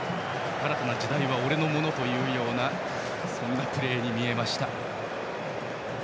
新たな時代は俺のものというようなそんなプレーに見えました。